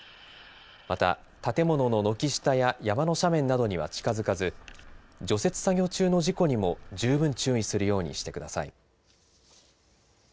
また、建物の軒下や山の斜面などには近づかず除雪作業中の事故にも十分注意するようにしてください。